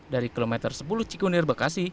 dari kilometer sepuluh cikunir bekasi